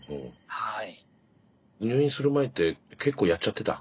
はい。